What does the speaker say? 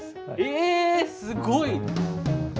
えすごい！